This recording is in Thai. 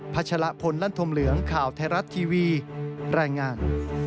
ชะละพลลั่นธมเหลืองข่าวไทยรัฐทีวีรายงาน